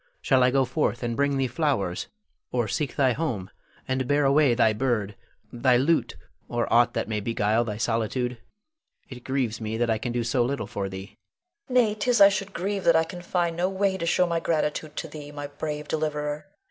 Shall I go forth and bring thee flowers, or seek thy home and bear away thy bird, thy lute, or aught that may beguile thy solitude? It grieves me that I can do so little for thee. Leonore. Nay, 'tis I should grieve that I can find no way to show my gratitude to thee, my brave deliverer.